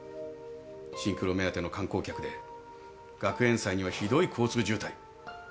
シンクロ目当ての観光客で学園祭にはひどい交通渋滞。